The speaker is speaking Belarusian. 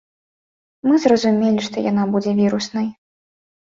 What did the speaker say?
Мы зразумелі, што яна будзе віруснай.